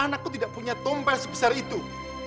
anakku tidak punya tompel sebesar itu